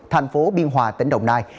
thành phố biên hòa tỉnh đồng nai